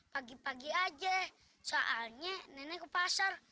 pagi pagi aja soalnya nenek ke pasar